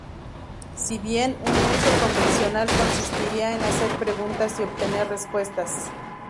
Si bien un uso convencional consistiría en hacer preguntas y obtener respuestas.